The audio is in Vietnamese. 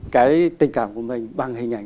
cái tình cảm của mình bằng hình ảnh